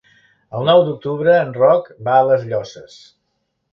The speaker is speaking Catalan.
El nou d'octubre en Roc va a les Llosses.